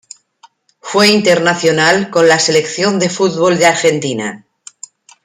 Fue internacional con la selección de fútbol de Argentina.